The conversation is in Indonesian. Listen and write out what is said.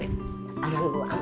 aman bu aman